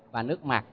và nước mặt